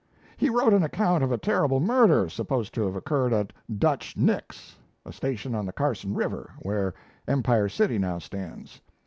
He wrote an account of a terrible murder, supposed to have occurred at "Dutch Nick's," a station on the Carson River, where Empire City now stands.